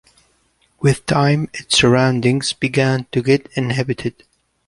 With time, its surroundings began to get inhabited.